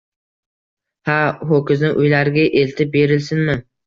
Ha, ho‘kizni uylariga eltib berilsinmi